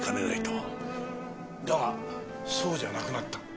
だがそうじゃなくなった。